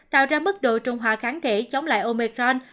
tạo ra mức độ trùng hòa kháng thể chống lại omicron